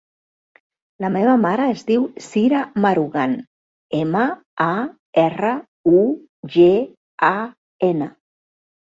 La meva mare es diu Sira Marugan: ema, a, erra, u, ge, a, ena.